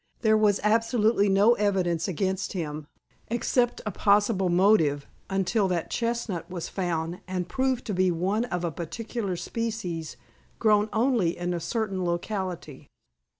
There was absolutely no evidence against him, except a possible motive, until that chestnut was found and proved to be one of a particular species, grown only in a certain locality."